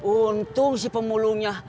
untung si pemulungnya